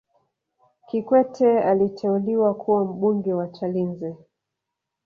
kikwete aliteuliwa kuwa mbunge wa chalinze